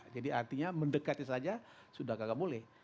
jadi artinya mendekati saja sudah tidak boleh